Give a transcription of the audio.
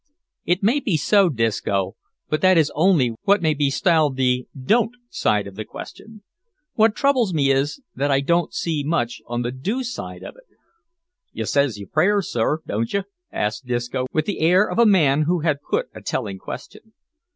"It may be so, Disco, but that is only what may be styled the don't side of the question. What troubles me is, that I don't see much on the do side of it." "You says your prayers, sir, don't you?" asked Disco, with the air of a man who had put a telling question.